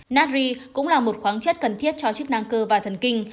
natry cũng là một khoáng chất cần thiết cho chức năng cơ và thần kinh